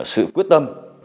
sự quyết tâm